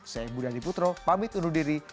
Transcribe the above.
saya budha diputro pamit undur diri